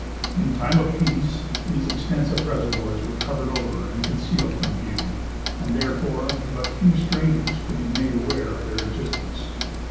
In time of peace, these extensive reservoirs were covered over and concealed from view, and therefore, but few strangers could be made aware of their existence.